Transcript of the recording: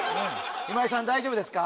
今井さん大丈夫ですか？